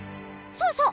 そうそう！